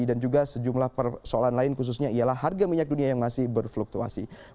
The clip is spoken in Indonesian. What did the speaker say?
dan juga sejumlah persoalan lain khususnya ialah harga minyak dunia yang masih berfluktuasi